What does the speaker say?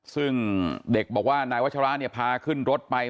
ซึ่งเด็กบอกว่านายวัชราเนี่ยพาขึ้นรถไป